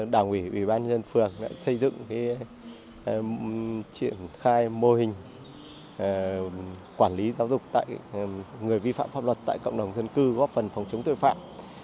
đảng ủy ủy ban nhân phường đã xây dựng triển khai mô hình quản lý giáo dục người vi phạm pháp luật tại cộng đồng dân cư góp phần phòng chống tội phạm